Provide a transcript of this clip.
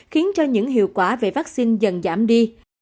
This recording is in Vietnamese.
khiến cho những hiệu quả về vaccine dần giảm đi